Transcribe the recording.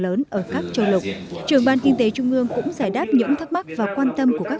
lớn ở các châu lục trường ban kinh tế trung ương cũng giải đáp những thắc mắc và quan tâm của các